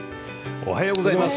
おはようございます。